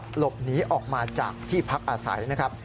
หลบหนีออกมาจากที่พักอาศัยนะครับ